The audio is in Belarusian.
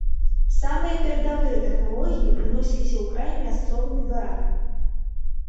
Самыя перадавыя тэхналогіі прыносіліся ў край мясцовымі дваранамі.